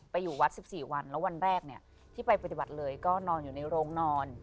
อยู่วัด๑๔วันแล้ววันแรกเนี่ยที่ไปปฏิบัติเลยก็นอนอยู่ในโรงนอน